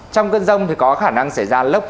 trong cơn rông có khả năng xảy ra lốc